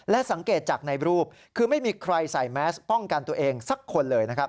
และสังเกตจากในรูปคือไม่มีใครใส่แมสป้องกันตัวเองสักคนเลยนะครับ